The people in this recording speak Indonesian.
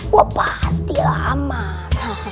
woh pasti lah aman